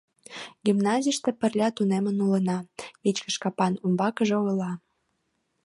— Гимназийыште пырля тунемын улына! — вичкыж капан умбакыже ойла.